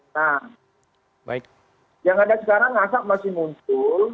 nah yang ada sekarang asap masih muncul